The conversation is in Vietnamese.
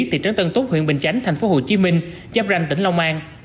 thị trấn tân tốt huyện bình chánh thành phố hồ chí minh chấp ranh tỉnh long an